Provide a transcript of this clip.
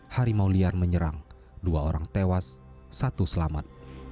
harimau liar menyerang dua orang tewas satu selamat